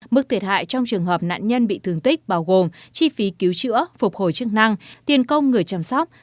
mức thiệt hại trong trường hợp nạn nhân bị thương tích bao gồm chi phí cứu chữa phục hồi chức năng tiền công người chăm sóc